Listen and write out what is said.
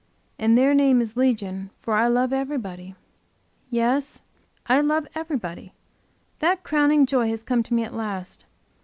And their name is Legion for I love everybody. Yes I love everybody! That crowning joy has come to me at last.